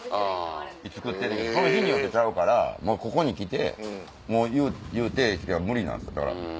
作ってんねんけどその日によってちゃうからもうここに来て言うてしか無理なんですだから。